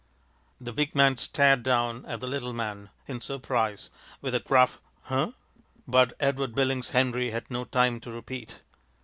The big man stared down at the little man, in surprise, with a gruff "Huh?" but Edward Billings Henry had no time to repeat.